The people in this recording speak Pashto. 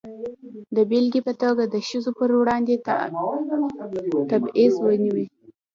د بېلګې په توګه د ښځو پر وړاندې تبعیض وینو.